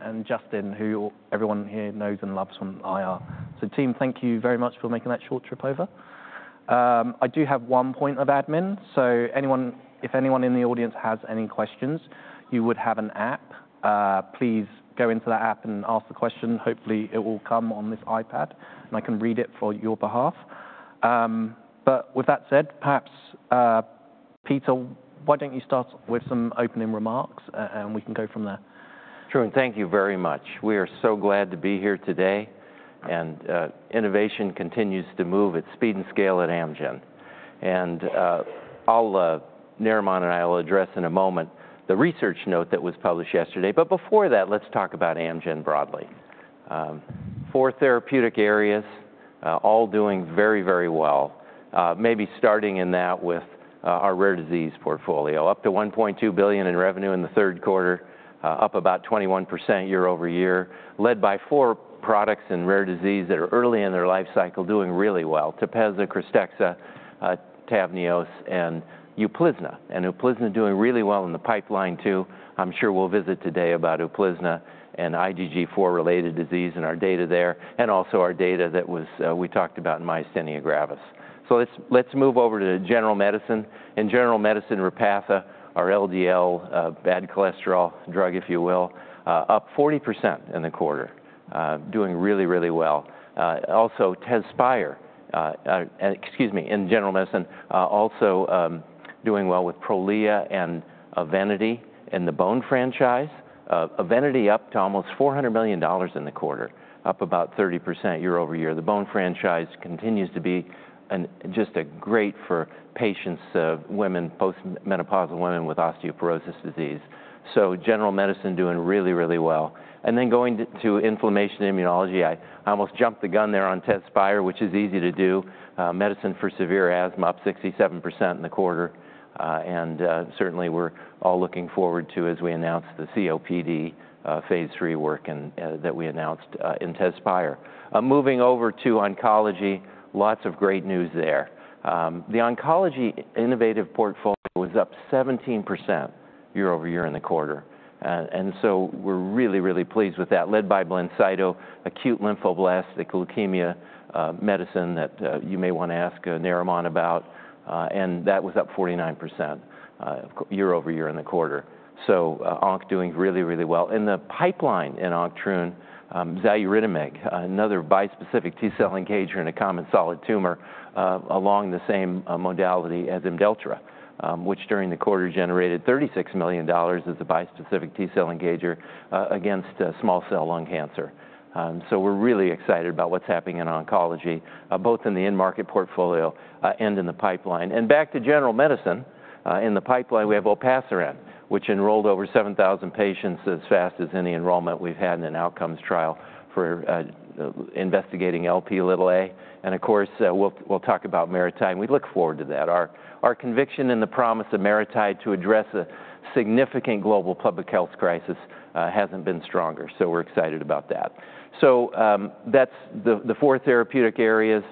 and Justin, who everyone here knows and loves from IR. So, team, thank you very much for making that short trip over. I do have one point of admin. So, if anyone in the audience has any questions, you would have an app. Please go into that app and ask the question. Hopefully, it will come on this iPad, and I can read it on your behalf. But with that said, perhaps Peter, why don't you start with some opening remarks, and we can go from there. Trung, thank you very much. We are so glad to be here today, and innovation continues to move at speed and scale at Amgen, and Narimon and I will address in a moment the research note that was published yesterday, but before that, let's talk about Amgen broadly. Four therapeutic areas, all doing very, very well. Maybe starting in that with our rare disease portfolio, up to $1.2 billion in revenue in the third quarter, up about 21% year-over-year, led by four products in rare disease that are early in their life cycle, doing really well: TEPEZZA, KRYSTEXXA, TAVNEOS, and UPLIZNA. And UPLIZNA doing really well in the pipeline, too. I'm sure we'll visit today about UPLIZNA and IgG4-related disease and our data there, and also our data that we talked about in myasthenia gravis, so let's move over to general medicine. In general medicine, Repatha, our LDL bad cholesterol drug, if you will, up 40% in the quarter, doing really, really well. Also, TEZSPIRE, excuse me, in general medicine, also doing well with Prolia and EVENITY in the bone franchise. EVENITY up to almost $400 million in the quarter, up about 30% year-over-year. The bone franchise continues to be just great for patients, women, postmenopausal women with osteoporosis disease, so general medicine doing really, really well, and then going to inflammation immunology, I almost jumped the gun there on TEZSPIRE, which is easy to do. Medicine for severe asthma, up 67% in the quarter, and certainly, we're all looking forward to, as we announced, the COPD phase III work that we announced in TEZSPIRE. Moving over to oncology, lots of great news there. The oncology innovative portfolio was up 17% year-over-year in the quarter. And so we're really, really pleased with that, led by BLINCYTO, acute lymphoblastic leukemia medicine that you may want to ask Narimon about. And that was up 49% year-over-year in the quarter. So oncology doing really, really well. In the pipeline in oncology too, xaluritamig, another bispecific T-cell engager in a common solid tumor, along the same modality as IMDELLTRA, which during the quarter generated $36 million as a bispecific T-cell engager against small cell lung cancer. So we're really excited about what's happening in oncology, both in the in-market portfolio and in the pipeline. And back to general medicine, in the pipeline, we have olpasiran, which enrolled over 7,000 patients as fast as any enrollment we've had in an outcomes trial for investigating Lp(a) level. And of course, we'll talk about MariTide. We look forward to that. Our conviction and the promise of MariTide to address a significant global public health crisis hasn't been stronger, so we're excited about that. That's the four therapeutic areas.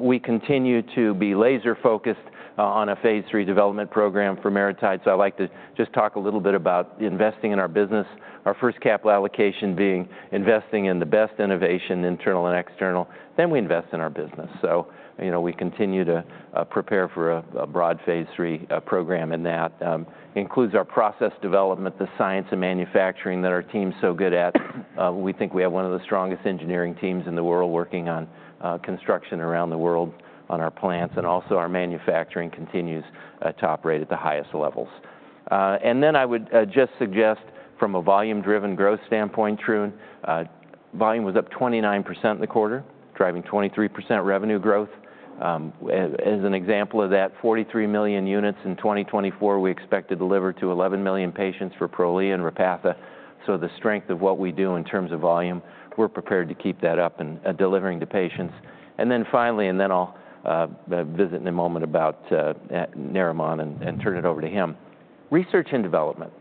We continue to be laser-focused on a phase III development program for MariTide, so I'd like to just talk a little bit about investing in our business, our first capital allocation being investing in the best innovation, internal and external, then we invest in our business, so we continue to prepare for a broad phase III program in that. It includes our process development, the science and manufacturing that our team's so good at. We think we have one of the strongest engineering teams in the world working on construction around the world on our plants, and also, our manufacturing continues at top rate at the highest levels. And then I would just suggest, from a volume-driven growth standpoint, true volume was up 29% in the quarter, driving 23% revenue growth. As an example of that, 43 million units in 2024, we expect to deliver to 11 million patients for Prolia and Repatha. So the strength of what we do in terms of volume, we're prepared to keep that up and delivering to patients. And then finally, I'll visit in a moment about Narimon and turn it over to him. Research and development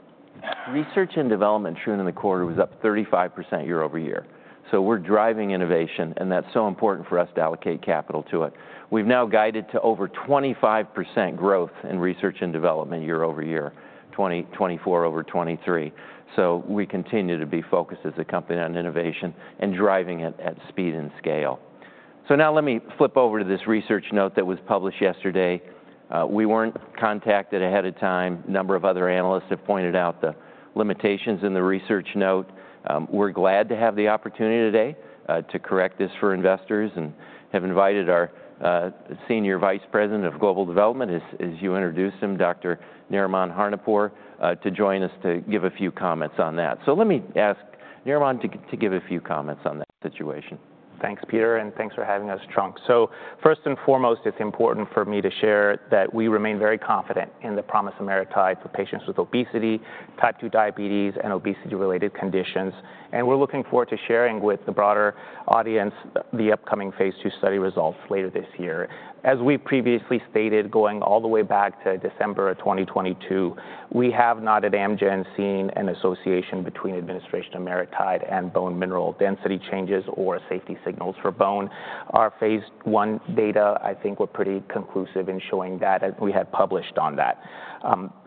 true in the quarter was up 35% year-over-year. So we're driving innovation. And that's so important for us to allocate capital to it. We've now guided to over 25% growth in research and development year-over-year, 2024 over 2023. So we continue to be focused as a company on innovation and driving it at speed and scale. So now let me flip over to this research note that was published yesterday. We weren't contacted ahead of time. A number of other analysts have pointed out the limitations in the research note. We're glad to have the opportunity today to correct this for investors and have invited our Senior Vice President of Global Development, as you introduced him, Dr. Narimon Honarpour, to join us to give a few comments on that. So let me ask Narimon to give a few comments on that situation. Thanks, Peter. And thanks for having us, Trung. So first and foremost, it's important for me to share that we remain very confident in the promise of MariTide for patients with obesity, type 2 diabetes, and obesity-related conditions. And we're looking forward to sharing with the broader audience the upcoming phase II study results later this year. As we previously stated, going all the way back to December of 2022, we have not at Amgen seen an association between administration of MariTide and bone mineral density changes or safety signals for bone. Our phase I data, I think, were pretty conclusive in showing that, and we had published on that.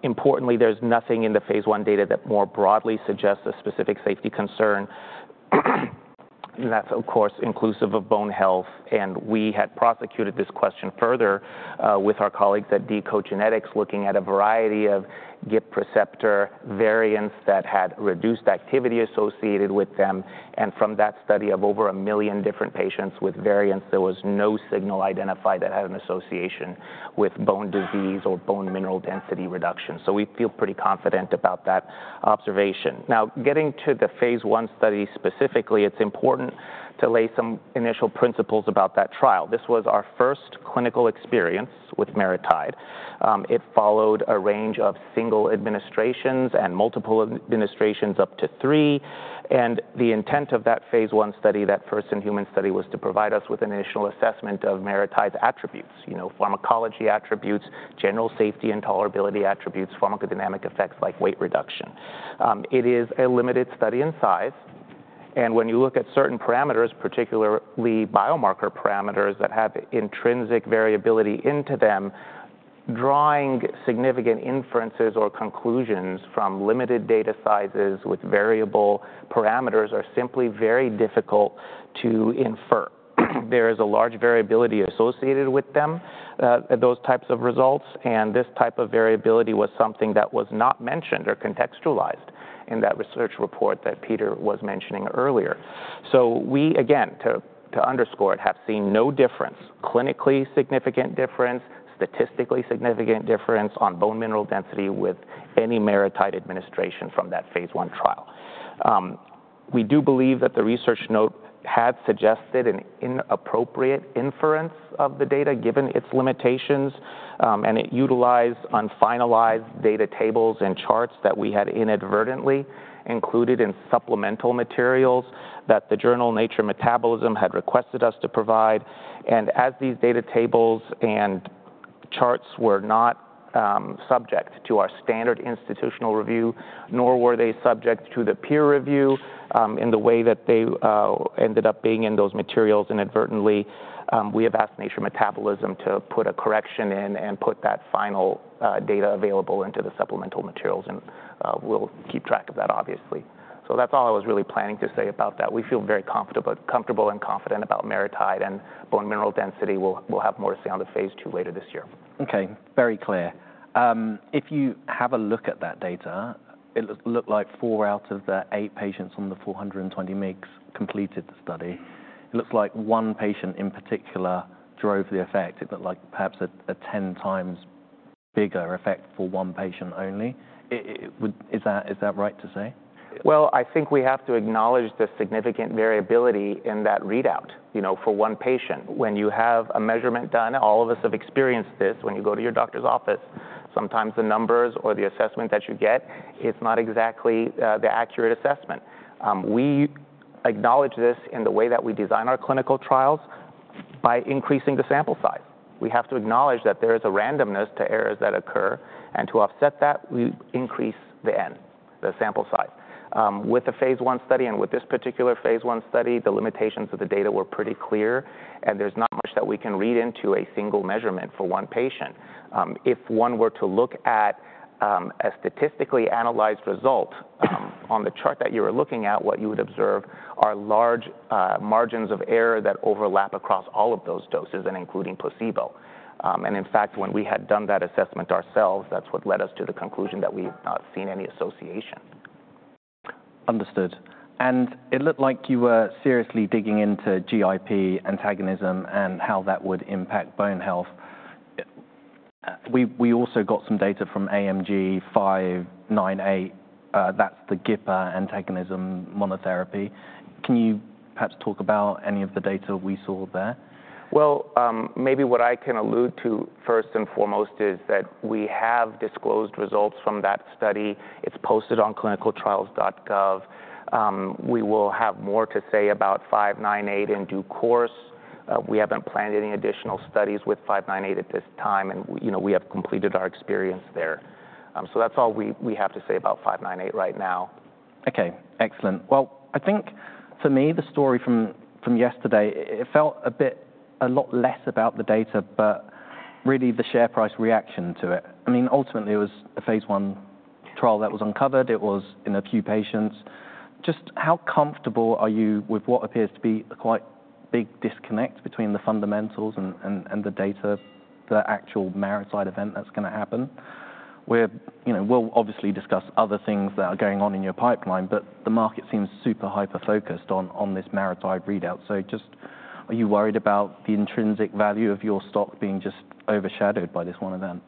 Importantly, there's nothing in the phase I data that more broadly suggests a specific safety concern. And that's, of course, inclusive of bone health. We had prosecuted this question further with our colleagues at deCODE genetics, looking at a variety of GIP receptor variants that had reduced activity associated with them. From that study of over a million different patients with variants, there was no signal identified that had an association with bone disease or bone mineral density reduction. We feel pretty confident about that observation. Now, getting to the phase I study specifically, it is important to lay some initial principles about that trial. This was our first clinical experience with MariTide. It followed a range of single administrations and multiple administrations up to three. The intent of that phase I study, that first-in-human study, was to provide us with an initial assessment of MariTide's attributes, pharmacology attributes, general safety and tolerability attributes, pharmacodynamic effects like weight reduction. It is a limited study in size. And when you look at certain parameters, particularly biomarker parameters that have intrinsic variability into them, drawing significant inferences or conclusions from limited data sizes with variable parameters are simply very difficult to infer. There is a large variability associated with them, those types of results. And this type of variability was something that was not mentioned or contextualized in that research report that Peter was mentioning earlier. So we, again, to underscore it, have seen no difference, clinically significant difference, statistically significant difference on bone mineral density with any MariTide administration from that phase I trial. We do believe that the research note had suggested an inappropriate inference of the data, given its limitations. And it utilized unfinalized data tables and charts that we had inadvertently included in supplemental materials that the journal Nature Metabolism had requested us to provide. And as these data tables and charts were not subject to our standard institutional review, nor were they subject to the peer review in the way that they ended up being in those materials inadvertently, we have asked Nature Metabolism to put a correction in and put that final data available into the supplemental materials. And we'll keep track of that, obviously. So that's all I was really planning to say about that. We feel very comfortable and confident about MariTide and bone mineral density. We'll have more to say on the phase II later this year. OK, very clear. If you have a look at that data, it looked like four out of the eight patients on the 420 mg completed the study. It looks like one patient in particular drove the effect. It looked like perhaps a 10x bigger effect for one patient only. Is that right to say? I think we have to acknowledge the significant variability in that readout for one patient. When you have a measurement done, all of us have experienced this. When you go to your doctor's office, sometimes the numbers or the assessment that you get, it's not exactly the accurate assessment. We acknowledge this in the way that we design our clinical trials by increasing the sample size. We have to acknowledge that there is a randomness to errors that occur. To offset that, we increase the N, the sample size. With the phase I study and with this particular phase I study, the limitations of the data were pretty clear. There's not much that we can read into a single measurement for one patient. If one were to look at a statistically analyzed result on the chart that you were looking at, what you would observe are large margins of error that overlap across all of those doses, including placebo, and in fact, when we had done that assessment ourselves, that's what led us to the conclusion that we've not seen any association. Understood, and it looked like you were seriously digging into GIP antagonism and how that would impact bone health. We also got some data from AMG 598. That's the GIP antagonism monotherapy. Can you perhaps talk about any of the data we saw there? Maybe what I can allude to first and foremost is that we have disclosed results from that study. It's posted on ClinicalTrials.gov. We will have more to say about 598 and the course. We haven't planned any additional studies with 598 at this time. We have completed our experience there. That's all we have to say about 598 right now. OK, excellent. Well, I think for me, the story from yesterday, it felt a lot less about the data, but really the share price reaction to it. I mean, ultimately, it was a phase I trial that was uncovered. It was in a few patients. Just how comfortable are you with what appears to be a quite big disconnect between the fundamentals and the data, the actual MariTide event that's going to happen? We'll obviously discuss other things that are going on in your pipeline, but the market seems super hyper-focused on this MariTide readout, so just are you worried about the intrinsic value of your stock being just overshadowed by this one event?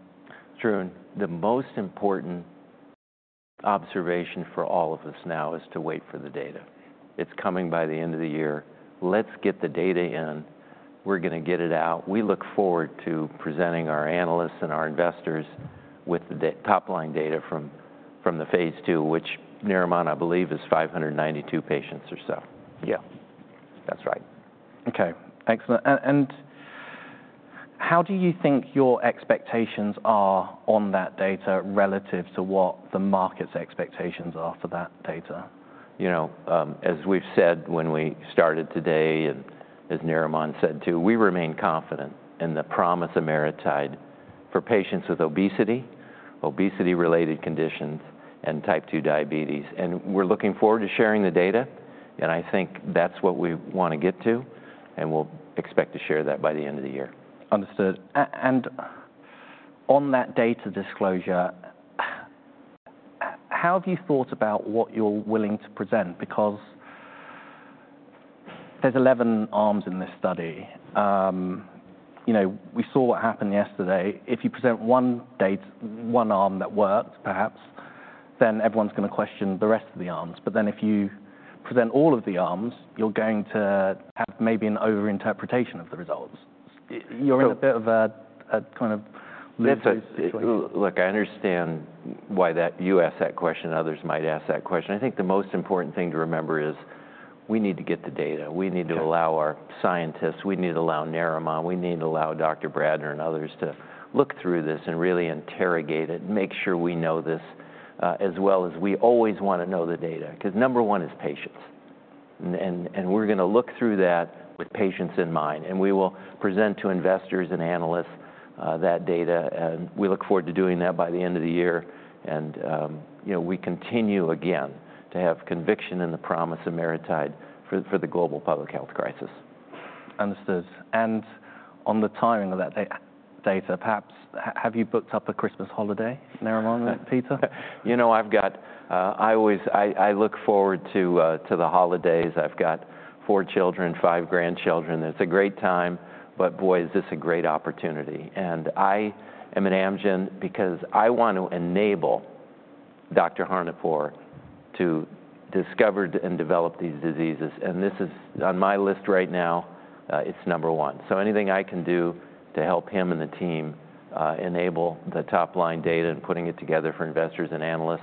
Trung, the most important observation for all of us now is to wait for the data. It's coming by the end of the year. Let's get the data in. We're going to get it out. We look forward to presenting our analysts and our investors with the top line data from the phase II, which Narimon, I believe, is 592 patients or so. Yeah, that's right. OK, excellent. And how do you think your expectations are on that data relative to what the market's expectations are for that data? As we've said when we started today and as Narimon said too, we remain confident in the promise of MariTide for patients with obesity, obesity-related conditions, and type 2 diabetes. And we're looking forward to sharing the data. And I think that's what we want to get to. And we'll expect to share that by the end of the year. Understood. And on that data disclosure, how have you thought about what you're willing to present? Because there's 11 arms in this study. We saw what happened yesterday. If you present one arm that worked, perhaps, then everyone's going to question the rest of the arms. But then if you present all of the arms, you're going to have maybe an over-interpretation of the results. You're in a bit of a kind of losing situation. Look, I understand why you ask that question and others might ask that question. I think the most important thing to remember is we need to get the data. We need to allow our scientists. We need to allow Narimon. We need to allow Dr. Bradner and others to look through this and really interrogate it and make sure we know this as well as we always want to know the data. Because number one is patients, and we're going to look through that with patients in mind. We will present to investors and analysts that data, and we look forward to doing that by the end of the year. We continue again to have conviction in the promise of MariTide for the global public health crisis. Understood. And on the timing of that data, perhaps, have you booked up a Christmas holiday, Narimon and Peter? You know, I've got. I look forward to the holidays. I've got four children, five grandchildren. It's a great time. But boy, is this a great opportunity. And I am at Amgen because I want to enable Dr. Honarpour to discover and develop these diseases. And this is on my list right now. It's number one. So anything I can do to help him and the team enable the top line data and putting it together for investors and analysts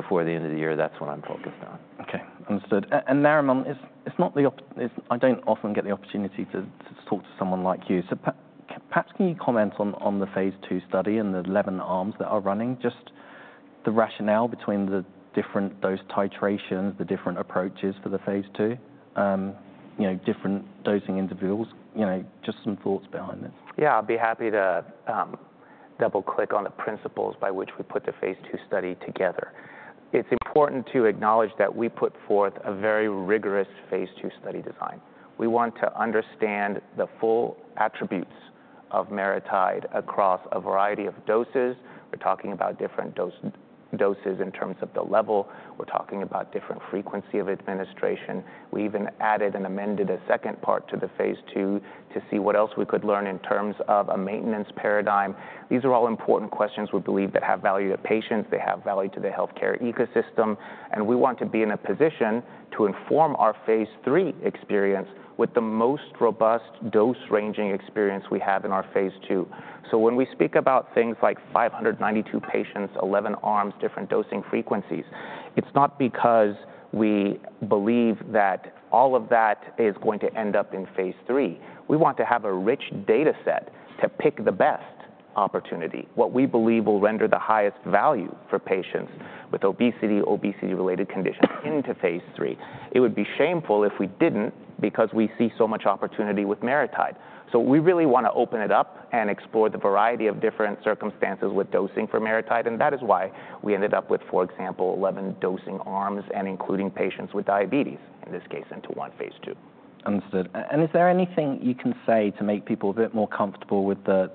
before the end of the year, that's what I'm focused on. OK, understood. And Narimon, I don't often get the opportunity to talk to someone like you. So perhaps can you comment on the phase II study and the 11 arms that are running, just the rationale between those titrations, the different approaches for the phase II, different dosing individuals? Just some thoughts behind it. Yeah, I'd be happy to double-click on the principles by which we put the phase II study together. It's important to acknowledge that we put forth a very rigorous phase II study design. We want to understand the full attributes of MariTide across a variety of doses. We're talking about different doses in terms of the level. We're talking about different frequency of administration. We even added and amended a second part to the phase II to see what else we could learn in terms of a maintenance paradigm. These are all important questions we believe that have value to patients. They have value to the health care ecosystem. And we want to be in a position to inform our phase III experience with the most robust dose-ranging experience we have in our phase II. When we speak about things like 592 patients, 11 arms, different dosing frequencies, it's not because we believe that all of that is going to end up in phase III. We want to have a rich data set to pick the best opportunity, what we believe will render the highest value for patients with obesity, obesity-related conditions into phase III. It would be shameful if we didn't because we see so much opportunity with MariTide. We really want to open it up and explore the variety of different circumstances with dosing for MariTide. That is why we ended up with, for example, 11 dosing arms and including patients with diabetes, in this case, into one phase II. Understood. And is there anything you can say to make people a bit more comfortable with the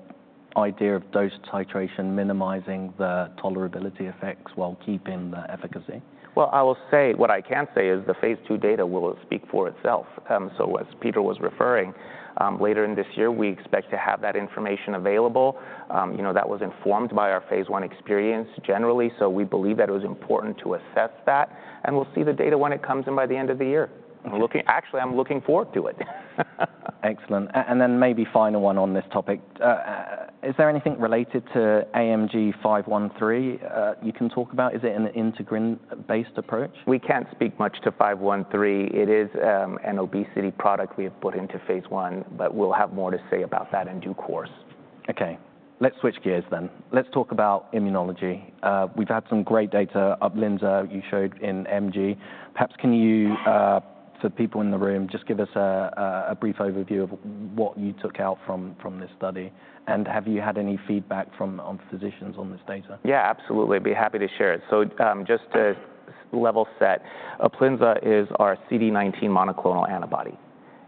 idea of dose titration minimizing the tolerability effects while keeping the efficacy? I will say what I can say is the phase II data will speak for itself. As Peter was referring, later in this year, we expect to have that information available. That was informed by our phase I experience generally. We believe that it was important to assess that. We'll see the data when it comes in by the end of the year. Actually, I'm looking forward to it. Excellent, and then maybe final one on this topic. Is there anything related to AMG 513 you can talk about? Is it an integrin-based approach? We can't speak much to AMG 513. It is an obesity product we have put into phase I. But we'll have more to say about that in due course. OK, let's switch gears then. Let's talk about immunology. We've had some great data of UPLIZNA. You showed in AMG. Perhaps can you, for people in the room, just give us a brief overview of what you took out from this study? And have you had any feedback from physicians on this data? Yeah, absolutely. I'd be happy to share it. So just to level set, UPLIZNA is our CD19 monoclonal antibody.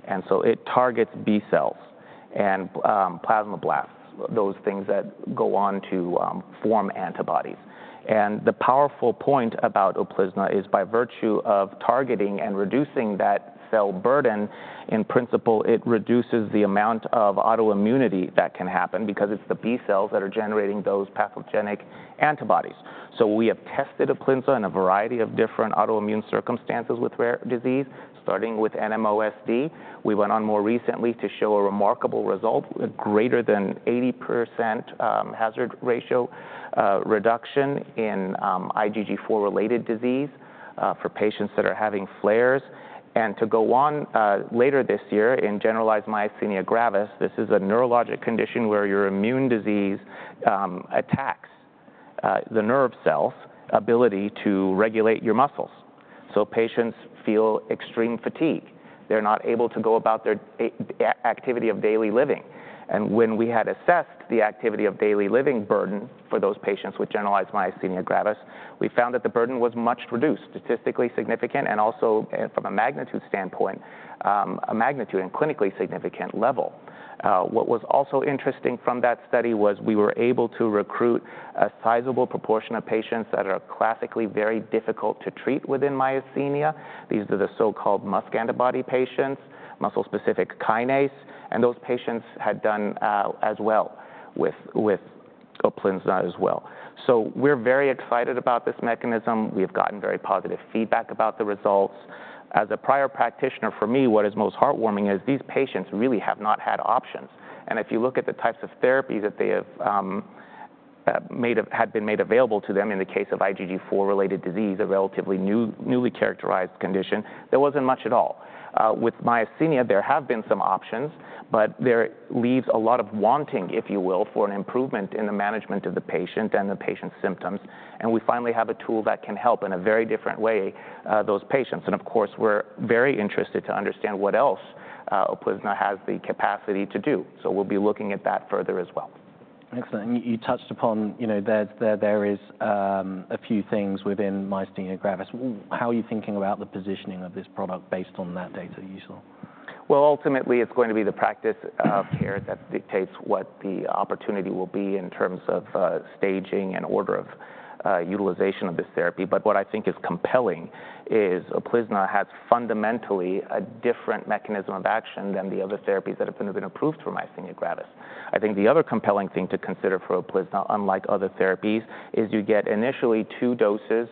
And so it targets B cells and plasmablasts, those things that go on to form antibodies. And the powerful point about UPLIZNA is by virtue of targeting and reducing that cell burden, in principle, it reduces the amount of autoimmunity that can happen because it's the B cells that are generating those pathogenic antibodies. So we have tested UPLIZNA in a variety of different autoimmune circumstances with rare disease, starting with NMOSD. We went on more recently to show a remarkable result with greater than 80% hazard ratio reduction in IgG4-related disease for patients that are having flares. And to go on later this year in generalized myasthenia gravis, this is a neurologic condition where your immune disease attacks the nerve cell's ability to regulate your muscles. So patients feel extreme fatigue. They're not able to go about their activity of daily living. And when we had assessed the activity of daily living burden for those patients with generalized myasthenia gravis, we found that the burden was much reduced, statistically significant, and also from a magnitude standpoint, a magnitude and clinically significant level. What was also interesting from that study was we were able to recruit a sizable proportion of patients that are classically very difficult to treat within myasthenia. These are the so-called MuSK antibody patients, muscle-specific kinase. And those patients had done as well with UPLIZNA as well. So we're very excited about this mechanism. We have gotten very positive feedback about the results. As a prior practitioner, for me, what is most heartwarming is these patients really have not had options. If you look at the types of therapies that they have had been made available to them in the case of IgG4-related disease, a relatively newly characterized condition, there wasn't much at all. With myasthenia, there have been some options. But there leaves a lot of wanting, if you will, for an improvement in the management of the patient and the patient's symptoms. We finally have a tool that can help in a very different way those patients. Of course, we're very interested to understand what else UPLIZNA has the capacity to do. We'll be looking at that further as well. Excellent, and you touched upon there is a few things within myasthenia gravis. How are you thinking about the positioning of this product based on that data you saw? Ultimately, it's going to be the practice of care that dictates what the opportunity will be in terms of staging and order of utilization of this therapy. What I think is compelling is UPLIZNA has fundamentally a different mechanism of action than the other therapies that have been approved for myasthenia gravis. I think the other compelling thing to consider for UPLIZNA, unlike other therapies, is you get initially two doses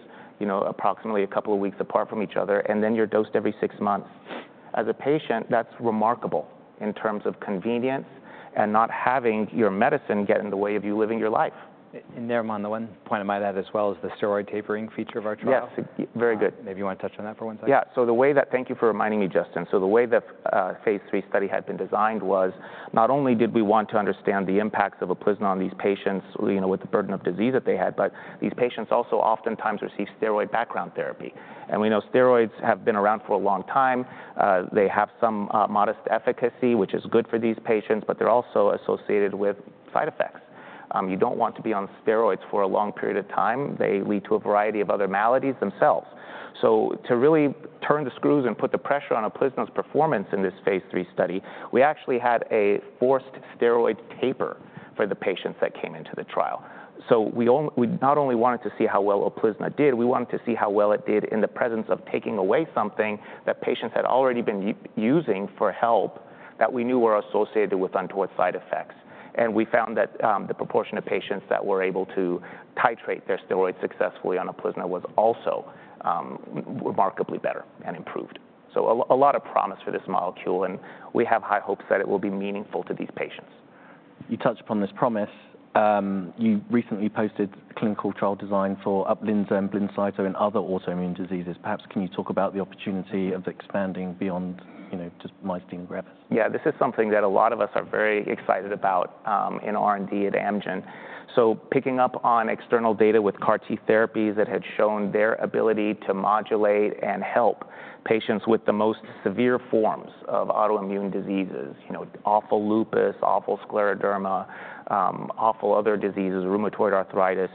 approximately a couple of weeks apart from each other. Then you're dosed every six months. As a patient, that's remarkable in terms of convenience and not having your medicine get in the way of you living your life. Narimon, the one point I might add as well is the steroid tapering feature of our trial. Yes, very good. Maybe you want to touch on that for one second? Yeah, thank you for reminding me, Justin. So the way that phase III study had been designed was not only did we want to understand the impacts of UPLIZNA on these patients with the burden of disease that they had, but these patients also oftentimes receive steroid background therapy. And we know steroids have been around for a long time. They have some modest efficacy, which is good for these patients. But they're also associated with side effects. You don't want to be on steroids for a long period of time. They lead to a variety of other maladies themselves. So to really turn the screws and put the pressure on UPLIZNA's performance in this phase III study, we actually had a forced steroid taper for the patients that came into the trial. So we not only wanted to see how well UPLIZNA did, we wanted to see how well it did in the presence of taking away something that patients had already been using for help that we knew were associated with untoward side effects. And we found that the proportion of patients that were able to titrate their steroids successfully on UPLIZNA was also remarkably better and improved. So a lot of promise for this molecule. And we have high hopes that it will be meaningful to these patients. You touched upon this promise. You recently posted clinical trial design for UPLIZNA and BLINCYTO in other autoimmune diseases. Perhaps can you talk about the opportunity of expanding beyond just myasthenia gravis? Yeah, this is something that a lot of us are very excited about in R&D at Amgen. So picking up on external data with CAR T therapies that had shown their ability to modulate and help patients with the most severe forms of autoimmune diseases, awful lupus, awful scleroderma, awful other diseases, rheumatoid arthritis,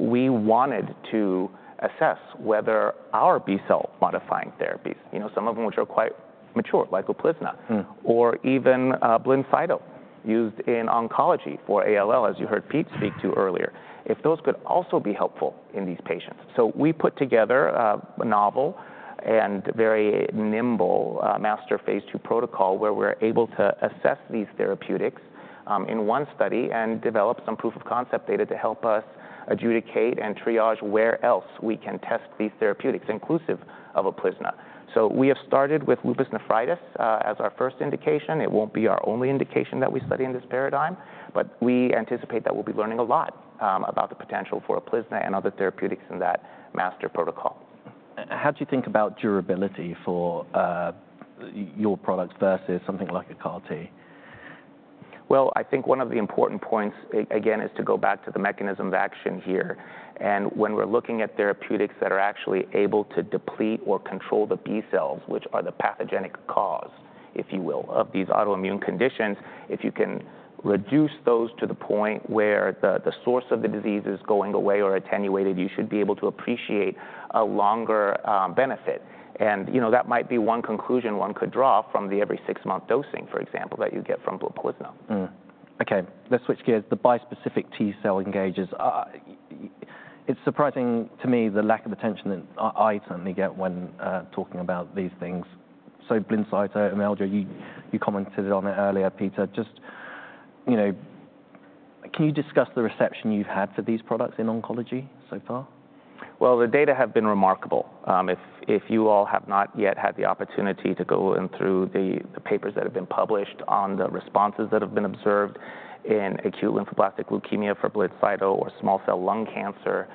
we wanted to assess whether our B cell modifying therapies, some of which are quite mature, like UPLIZNA, or even BLINCYTO used in oncology for ALL, as you heard Pete speak to earlier, if those could also be helpful in these patients. So we put together a novel and very nimble master phase II protocol where we're able to assess these therapeutics in one study and develop some proof of concept data to help us adjudicate and triage where else we can test these therapeutics, inclusive of UPLIZNA. We have started with lupus nephritis as our first indication. It won't be our only indication that we study in this paradigm. We anticipate that we'll be learning a lot about the potential for UPLIZNA and other therapeutics in that master protocol. How do you think about durability for your products versus something like a CAR T? I think one of the important points, again, is to go back to the mechanism of action here. When we're looking at therapeutics that are actually able to deplete or control the B cells, which are the pathogenic cause, if you will, of these autoimmune conditions, if you can reduce those to the point where the source of the disease is going away or attenuated, you should be able to appreciate a longer benefit. That might be one conclusion one could draw from the every six-month dosing, for example, that you get from UPLIZNA. OK, let's switch gears. The bispecific T-cell engagers. It's surprising to me the lack of attention that I certainly get when talking about these things. So BLINCYTO and IMDELLTRA, you commented on it earlier, Peter. Just can you discuss the reception you've had for these products in oncology so far? The data have been remarkable. If you all have not yet had the opportunity to go through the papers that have been published on the responses that have been observed in acute lymphoblastic leukemia for BLINCYTO or small cell lung cancer,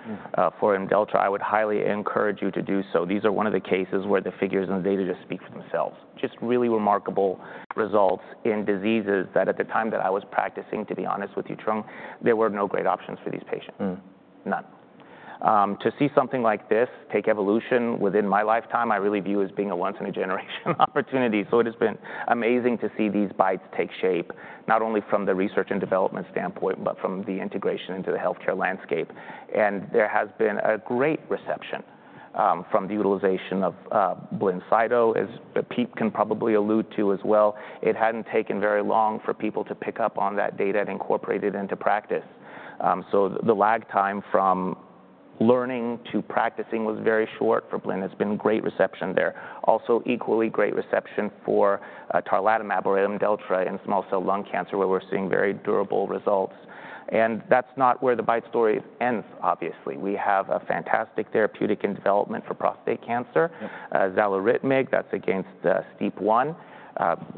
for IMDELLTRA, I would highly encourage you to do so. These are one of the cases where the figures and the data just speak for themselves. Just really remarkable results in diseases that at the time that I was practicing, to be honest with you, Trung, there were no great options for these patients. None. To see something like this take evolution within my lifetime, I really view as being a once-in-a-generation opportunity. It has been amazing to see these BiTEs take shape, not only from the research and development standpoint, but from the integration into the health care landscape. And there has been a great reception from the utilization of BLINCYTO as Pete can probably allude to as well. It hadn't taken very long for people to pick up on that data and incorporate it into practice. So the lag time from learning to practicing was very short for BLIN. There's been great reception there. Also, equally great reception for tarlatumab or IMDELLTRA in small cell lung cancer, where we're seeing very durable results. And that's not where the BiTE story ends, obviously. We have a fantastic therapeutic in development for prostate cancer, xaluritamig. That's against the STEAP1.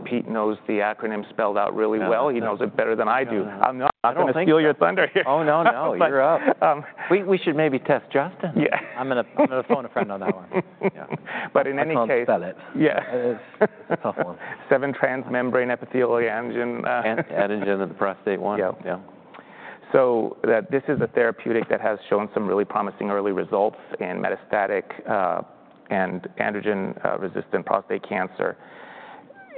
Pete knows the acronym spelled out really well. He knows it better than I do. I'm not going to steal your thunder here. Oh, no, no. You're up. We should maybe test Justin. Yeah. I'm going to phone a friend on that one. Yeah, but in any case. I'll spell it. Yeah. It's a tough one. Six-transmembrane epithelial antigen. Antigen of the prostate 1. Yeah. Yeah. This is a therapeutic that has shown some really promising early results in metastatic and androgen-resistant prostate cancer.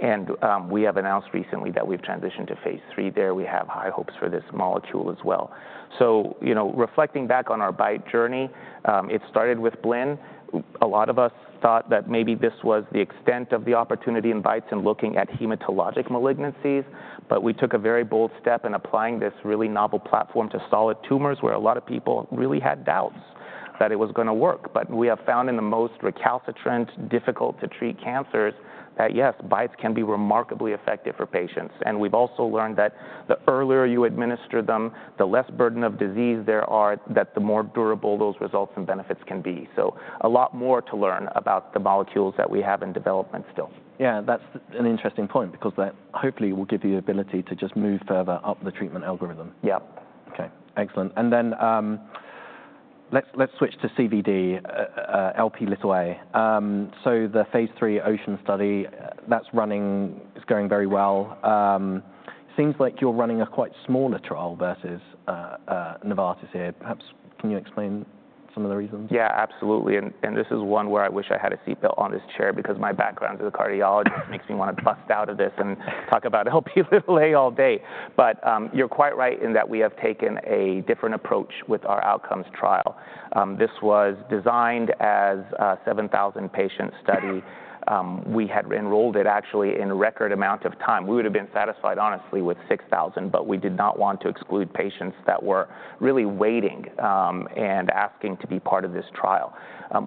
And we have announced recently that we've transitioned to phase III there. We have high hopes for this molecule as well. So reflecting back on our BiTE journey, it started with BLIN. A lot of us thought that maybe this was the extent of the opportunity in BiTEs in looking at hematologic malignancies. But we took a very bold step in applying this really novel platform to solid tumors, where a lot of people really had doubts that it was going to work. But we have found in the most recalcitrant, difficult-to-treat cancers that, yes, BiTEs can be remarkably effective for patients. And we've also learned that the earlier you administer them, the less burden of disease there are, that the more durable those results and benefits can be. So a lot more to learn about the molecules that we have in development still. Yeah, that's an interesting point because that hopefully will give you the ability to just move further up the treatment algorithm. Yeah. OK, excellent. And then let's switch to CVD, Lp(a). So the phase III OCEAN study, that's running, it's going very well. Seems like you're running a quite smaller trial versus Novartis here. Perhaps can you explain some of the reasons? Yeah, absolutely. And this is one where I wish I had a seatbelt on this chair because my background as a cardiologist makes me want to bust out of this and talk about Lp(a) all day. But you're quite right in that we have taken a different approach with our outcomes trial. This was designed as a 7,000-patient study. We had enrolled it actually in record amount of time. We would have been satisfied, honestly, with 6,000. But we did not want to exclude patients that were really waiting and asking to be part of this trial.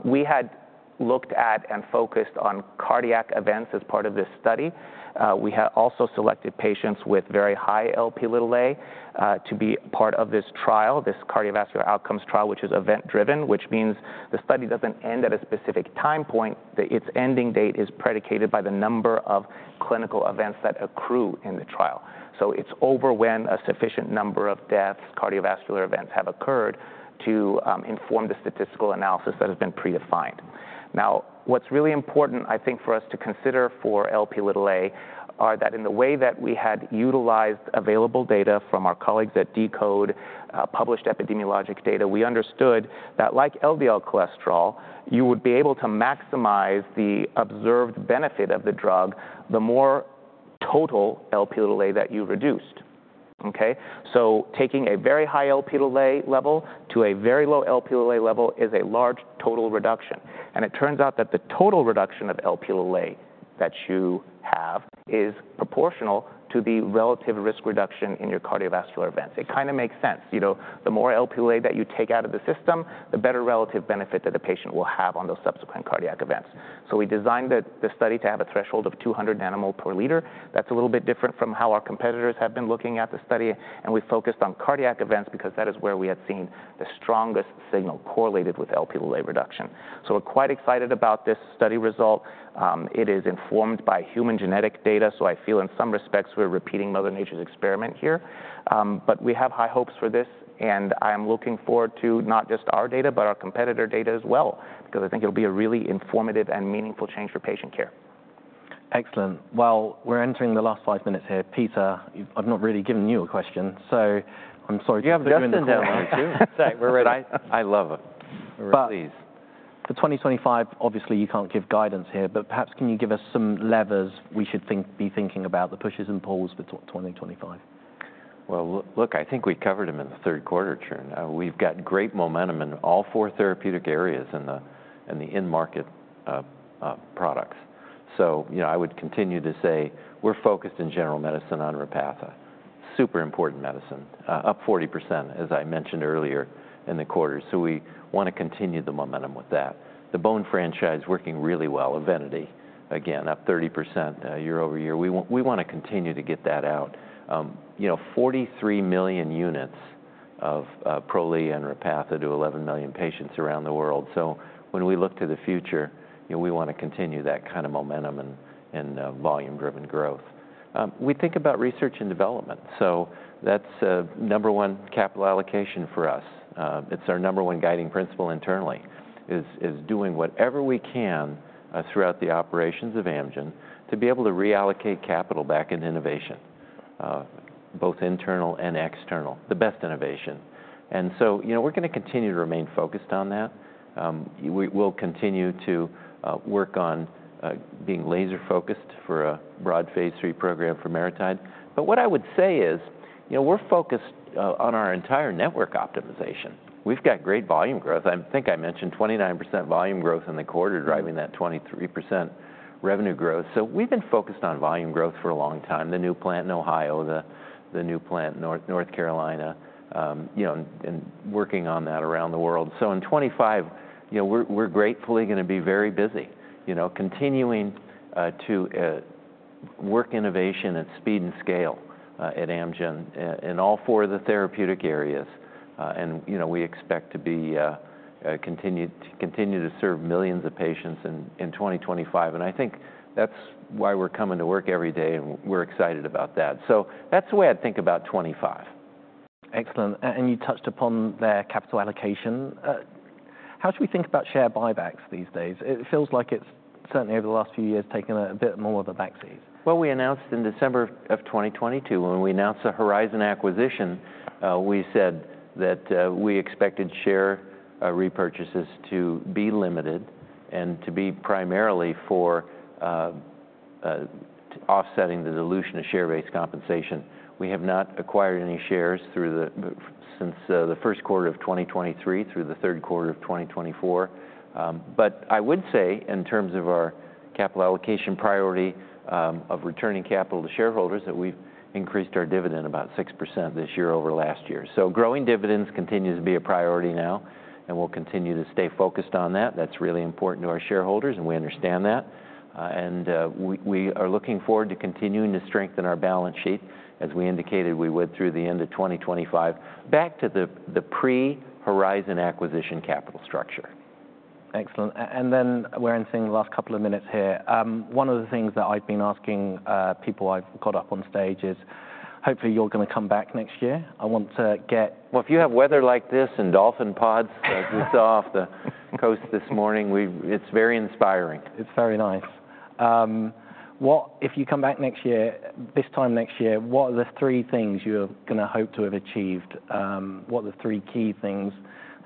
We had looked at and focused on cardiac events as part of this study. We also selected patients with very high Lp(a) to be part of this trial, this cardiovascular outcomes trial, which is event-driven, which means the study doesn't end at a specific time point. Its ending date is predicated by the number of clinical events that accrue in the trial. So it's over when a sufficient number of deaths, cardiovascular events have occurred to inform the statistical analysis that has been predefined. Now, what's really important, I think, for us to consider for Lp(a) are that in the way that we had utilized available data from our colleagues at deCODE, published epidemiologic data, we understood that like LDL cholesterol, you would be able to maximize the observed benefit of the drug the more total Lp(a) that you reduced. OK, so taking a very high Lp(a) level to a very low Lp(a) level is a large total reduction, and it turns out that the total reduction of Lp(a) that you have is proportional to the relative risk reduction in your cardiovascular events. It kind of makes sense. The more Lp(a) that you take out of the system, the better relative benefit that the patient will have on those subsequent cardiac events, so we designed the study to have a threshold of 200 nmol/L. That's a little bit different from how our competitors have been looking at the study, and we focused on cardiac events because that is where we had seen the strongest signal correlated with Lp(a) reduction, so we're quite excited about this study result. It is informed by human genetic data, so I feel in some respects we're repeating Mother Nature's experiment here. But we have high hopes for this, and I am looking forward to not just our data, but our competitor data as well because I think it'll be a really informative and meaningful change for patient care. Excellent. Well, we're entering the last five minutes here. Peter, I've not really given you a question. So I'm sorry. You have the window. Sorry, we're ready. I love it. Please. For 2025, obviously, you can't give guidance here. But perhaps can you give us some levers we should be thinking about, the pushes and pulls for 2025? Look, I think we covered them in the third quarter, Trung. We've got great momentum in all four therapeutic areas in the in-market products. I would continue to say we're focused in general medicine on Repatha, super important medicine, up 40%, as I mentioned earlier in the quarter. We want to continue the momentum with that. The bone franchise working really well, EVENITY, again, up 30% year-over-year. We want to continue to get that out. 43 million units of Prolia and Repatha to 11 million patients around the world. When we look to the future, we want to continue that kind of momentum and volume-driven growth. We think about research and development. That's number one capital allocation for us. It's our number one guiding principle internally is doing whatever we can throughout the operations of Amgen to be able to reallocate capital back in innovation, both internal and external, the best innovation. And so we're going to continue to remain focused on that. We'll continue to work on being laser-focused for a broad phase III program for MariTide. But what I would say is we're focused on our entire network optimization. We've got great volume growth. I think I mentioned 29% volume growth in the quarter driving that 23% revenue growth. So we've been focused on volume growth for a long time, the new plant in Ohio, the new plant in North Carolina, and working on that around the world. So in 2025, we're gratefully going to be very busy continuing to work innovation at speed and scale at Amgen in all four of the therapeutic areas. And we expect to continue to serve millions of patients in 2025. And I think that's why we're coming to work every day. And we're excited about that. So that's the way I'd think about 2025. Excellent. And you touched upon their capital allocation. How should we think about share buybacks these days? It feels like it's certainly over the last few years taken a bit more of a back seat. We announced in December of 2022, when we announced the Horizon acquisition, we said that we expected share repurchases to be limited and to be primarily for offsetting the dilution of share-based compensation. We have not acquired any shares since the first quarter of 2023 through the third quarter of 2024. I would say in terms of our capital allocation priority of returning capital to shareholders that we've increased our dividend about 6% this year over last year. Growing dividends continue to be a priority now. We'll continue to stay focused on that. That's really important to our shareholders. We understand that. We are looking forward to continuing to strengthen our balance sheet as we indicated we would through the end of 2025 back to the pre-Horizon acquisition capital structure. Excellent. And then we're entering the last couple of minutes here. One of the things that I've been asking people I've caught up on stage is hopefully you're going to come back next year. I want to get. Well, if you have weather like this and dolphin pods like we saw off the coast this morning, it's very inspiring. It's very nice. If you come back next year, this time next year, what are the three things you're going to hope to have achieved? What are the three key things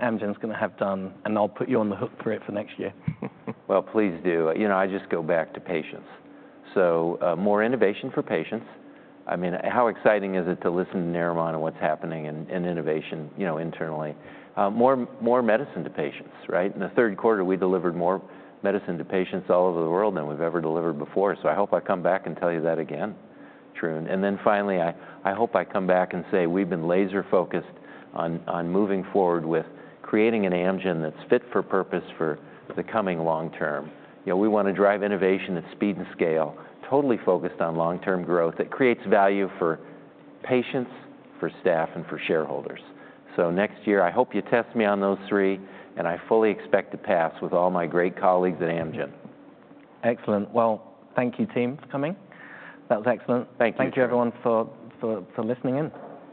Amgen's going to have done? And I'll put you on the hook for it for next year. Please do. I just go back to patients. So more innovation for patients. I mean, how exciting is it to listen to Narimon and what's happening in innovation internally? More medicine to patients, right? In the third quarter, we delivered more medicine to patients all over the world than we've ever delivered before. So I hope I come back and tell you that again, Trung. And then finally, I hope I come back and say we've been laser-focused on moving forward with creating an Amgen that's fit for purpose for the coming long term. We want to drive innovation at speed and scale, totally focused on long-term growth that creates value for patients, for staff, and for shareholders. So next year, I hope you test me on those three. And I fully expect to pass with all my great colleagues at Amgen. Excellent. Well, thank you, team, for coming. That was excellent. Thank you. Thank you, everyone, for listening in.